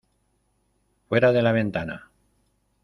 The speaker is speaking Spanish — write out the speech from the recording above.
¡ Fuera de la ventana!